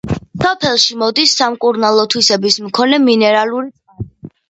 სოფელში მოდის სამკურნალო თვისების მქონე მინერალური წყალი.